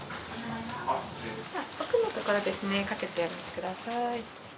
奥のところですね掛けてお待ちください。